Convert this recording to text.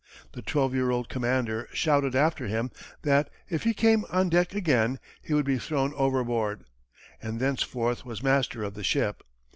The twelve year old commander shouted after him that, if he came on deck again, he would be thrown overboard, and thenceforth was master of the ship.